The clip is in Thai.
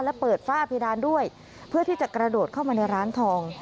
และเปิดฝ้าเพดานด้วยเพื่อที่จะกระโดดเข้ามาในร้านทอง